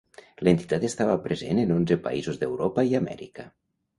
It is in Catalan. L'entitat estava present en onze països d'Europa i Amèrica.